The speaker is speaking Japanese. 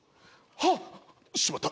はっ！しまった。